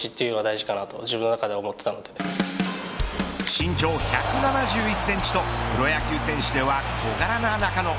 身長１７１センチとプロ野球選手では小柄な中野。